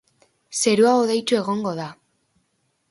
Zerua hodeitsu egongo da.